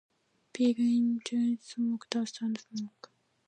Peaks indicate smoke, dust and smog.